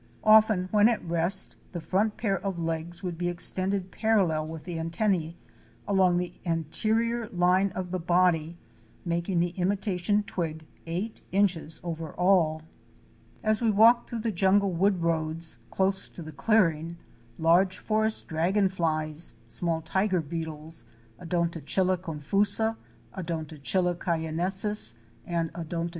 Often when at rest the front pair of legs would be extended parallel with the antenne, along the anterior line of the body, making the imitation twig eight inches over all (Fig. 126). JUNGLE LIFE AT AREMU. 291 As we walked through the jungle wood roads close to the clearing, large forest dragon flics, small tiger beetles (Odonto chila confusa, O. cayennensis and O.